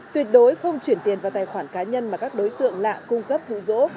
tuyệt đối không chuyển tiền vào tài khoản cá nhân mà các đối tượng lạ cung cấp dụ dỗ